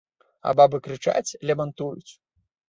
А бабы крычаць, лямантуюць.